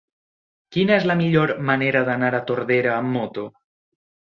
Quina és la millor manera d'anar a Tordera amb moto?